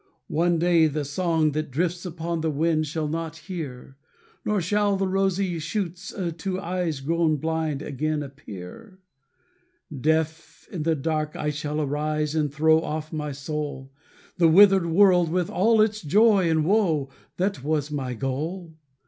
One day the song that drifts upon the wind, I shall not hear; Nor shall the rosy shoots to eyes grown blind Again appear. Deaf, in the dark, I shall arise and throw From off my soul, The withered world with all its joy and woe, That was my goal.